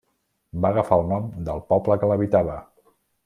Va agafar el nom del poble que l'habitava.